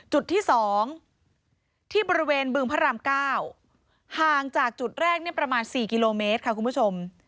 จุดที่๒ที่บริเวณบึงพระราม๙ห่างจากจุดแรกประมาณ๔กิโลเมตรค่ะคุณผู้ชม